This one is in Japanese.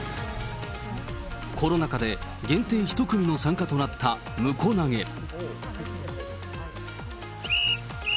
コロナ禍で限定１組の参加となった婿投げ。